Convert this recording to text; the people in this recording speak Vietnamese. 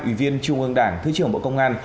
ủy viên trung ương đảng thứ trưởng bộ công an